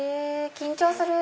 緊張する！